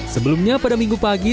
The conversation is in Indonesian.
sebelumnya pada minggu pagi